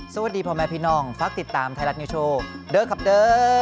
สวัสดีพ่อแม่พี่น้องฝากติดตามไทยรัฐนิวโชว์เด้อครับเด้อ